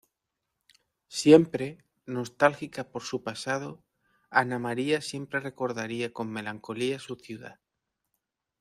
Siempre, nostálgica por su pasado Ana María siempre recordaría con melancolía su ciudad.